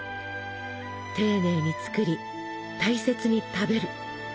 丁寧に作り大切に食べる。